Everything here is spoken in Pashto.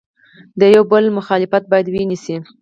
د یو بل مخالفت باید ونسي.